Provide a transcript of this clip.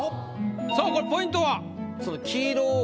さあこれポイントは？